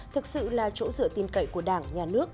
thực sự là chỗ dựa tin cậy của đảng nhà nước